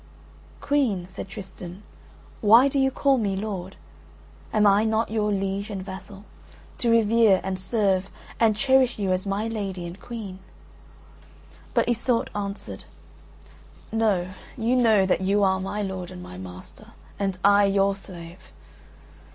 "Queen," said Tristan, "why do you call me lord? Am I not your liege and vassal, to revere and serve and cherish you as my lady and Queen?" But Iseult answered, "No, you know that you are my lord and my master, and I your slave.